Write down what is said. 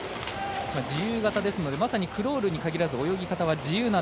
自由形ですのでまさにクロールに限らず泳ぎ方は自由。